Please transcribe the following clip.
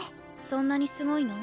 そんなにすごいの？